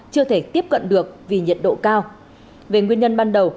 chưa thể tiếp cận được vì nhiệt độ cao về nguyên nhân ban đầu